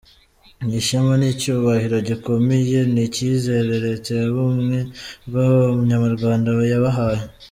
Ni ishema, ni icyubahiro gikomeye, ni icyizere Leta y’ubumwe bw’abanyarwanda yabahaye.